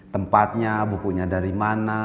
tempatnya bukunya dari mana